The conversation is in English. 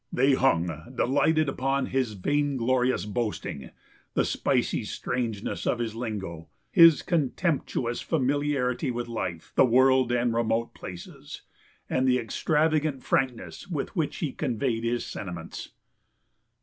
They hung, delighted, upon his vainglorious boasting, the spicy strangeness of his lingo, his contemptuous familiarity with life, the world, and remote places, and the extravagant frankness with which he conveyed his sentiments.